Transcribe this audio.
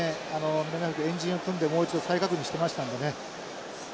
南アフリカ円陣を組んでもう一度再確認してましたんでね。